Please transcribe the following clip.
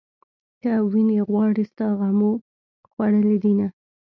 که وينې غواړې ستا غمو خوړلې دينه